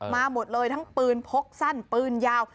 มาหมดเลยทั้งปืนพกสั้นปืนยาว